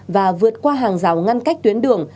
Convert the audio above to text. và vượt qua hàng rào ngăn cách tuyến đường